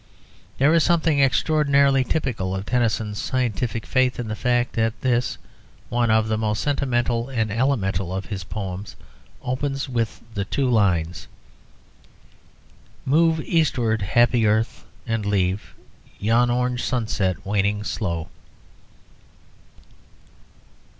There is something extraordinarily typical of Tennyson's scientific faith in the fact that this, one of the most sentimental and elemental of his poems, opens with the two lines: "Move eastward, happy earth, and leave Yon orange sunset waning slow."